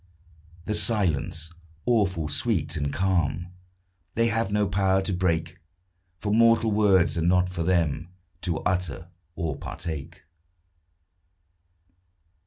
The silence awful, sweet, and calm They have no power to break; For mortal words are not for them To utter or partake.